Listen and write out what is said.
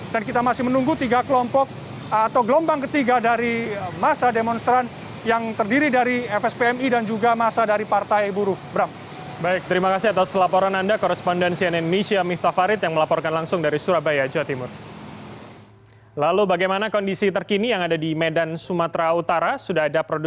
polisi melakukan pengamanan di dua titik ini namun ketika tahu bahwa konsentrasi masa akan dikonsentrasi di jalan pahlawan maka konsentrasi yang dimiliki konsentrasi yang dimiliki konsentrasi yang dimiliki konsentrasi yang dimiliki